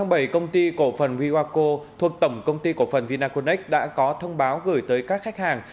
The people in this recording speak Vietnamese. ngày năm bảy công ty cổ phần viwako thuộc tổng công ty cổ phần vinaconex đã có thông báo gửi tới các khách hàng